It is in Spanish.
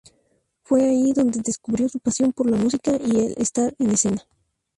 Fue ahí donde descubrió su pasión por la música y el estar en escena.